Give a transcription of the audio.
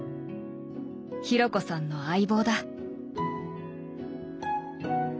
紘子さんの相棒だ。